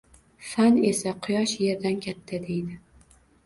Fan esa quyosh yerdan katta deydi.